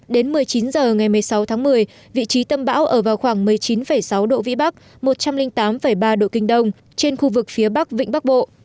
đến một mươi chín h ngày một mươi sáu tháng một mươi vị trí tâm bão ở vào khoảng một mươi chín sáu độ vĩ bắc một trăm linh tám ba độ kinh đông trên khu vực phía bắc vịnh bắc bộ